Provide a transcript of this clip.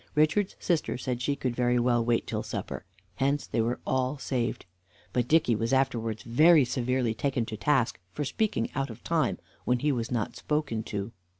Richard's sister said she could very well wait till supper; hence they were all saved. But Dicky was afterwards very severely taken to task for speaking out of time, when he was not spoken to.